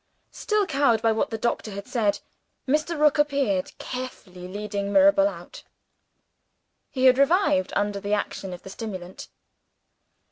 Still cowed by what the doctor had said, Mr. Rook appeared, carefully leading Mirabel out. He had revived under the action of the stimulant.